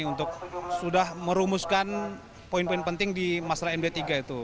untuk sudah merumuskan poin poin penting di masalah md tiga itu